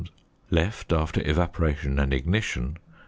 Left after Evaporation and Ignition.